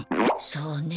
そうね。